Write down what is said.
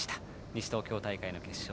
西東京大会の決勝。